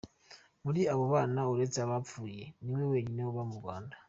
Muri abo bana, uretse abapfuye niwe wenyine uba mu Rwanda.